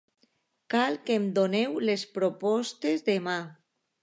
Cal que em doneu les propostes demà.